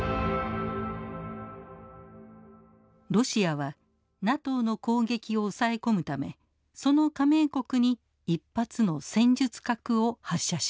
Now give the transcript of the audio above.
ロシアはＮＡＴＯの攻撃を抑え込むためその加盟国に１発の戦術核を発射します。